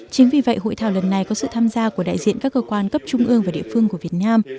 chính vì vậy hội thảo lần này có sự tham gia của đại diện các cơ quan cấp trung ương và địa phương của việt nam